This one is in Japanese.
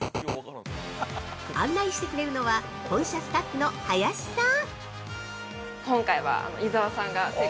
案内してくれるのは本社スタッフの林さん。